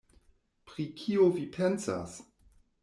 Pri kio vi pensas?